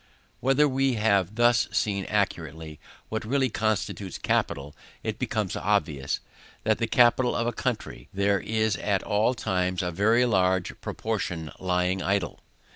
When we have thus seen accurately what really constitutes capital, it becomes obvious, that of the capital of a country, there is at all times a very large proportion lying idle.